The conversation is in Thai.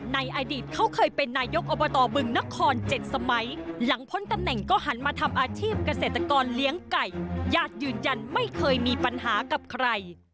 ในอดีตเขาเคยเป็นนายกอบตบึงนคร๗สมัยหลังพ้นตำแหน่งก็หันมาทำอาชีพเกษตรกรเลี้ยงไก่ญาติยืนยันไม่เคยมีปัญหากับใคร